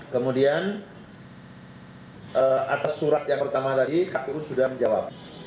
kemudian atas surat yang pertama tadi kpu sudah menjawab